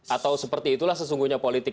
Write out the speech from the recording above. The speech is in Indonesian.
atau seperti itulah sesungguhnya politik